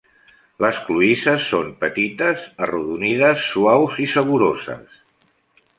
Les cloïsses són petites, arrodonides, suaus i saboroses.